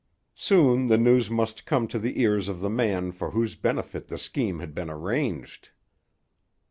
Soon the news must come to the ears of the man for whose benefit the scheme had been arranged.